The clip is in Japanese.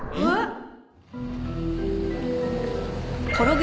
あっ！